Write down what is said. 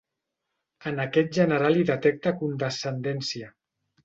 En aquest general hi detecta condescendència.